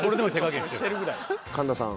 神田さん。